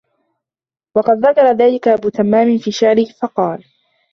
وَقَدْ ذَكَرَ ذَلِكَ أَبُو تَمَّامٍ فِي شَعْرِهِ فَقَالَ